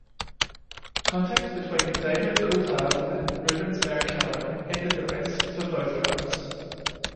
Contact between David Coulthard and Rubens Barrichello ended the race for both drivers.